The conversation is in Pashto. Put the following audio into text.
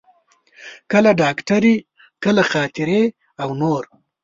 کله ډاکټري، کله خاطرې او نور.